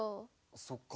そっか。